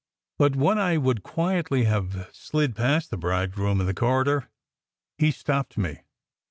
But when I would quietly have slid past the bridegroom in the corridor, he stopped me.